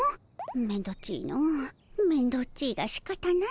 めんどっちいのめんどっちいがしかたないの。